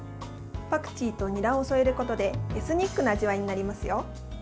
パクチーとニラを添えることでエスニックな味わいになりますよ。